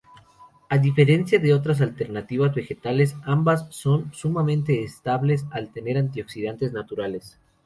A diferencia de otras alternativas vegetales, ambas son sumamente estables, al tener antioxidantes naturales.